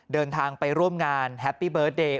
เดินทางไปร่วมงานแฮปปี้เบิร์ตเดย์